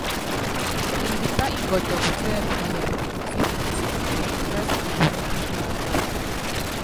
Ndipá ngɔtɔ putíɛ́púlɛ siki kisikilɛ, imbási iyukana káafan.